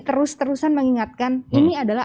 terus terusan mengingatkan ini adalah